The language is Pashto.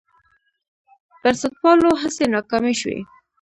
بنسټپالو هڅې ناکامې شوې.